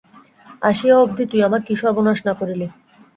আসিয়া অবধি তুই আমার কী সর্বনাশ না করিলি?